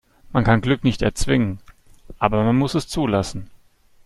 Man kann Glück nicht erzwingen, aber man muss es zulassen.